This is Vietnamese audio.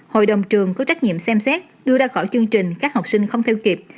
hội đồng trường có trách nhiệm xem xét đưa ra khỏi chương trình các học sinh không theo kịp